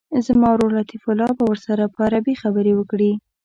زما ورور لطیف الله به ورسره په عربي خبرې وکړي.